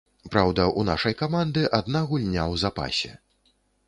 Праўда, у нашай каманды адна гульня ў запасе.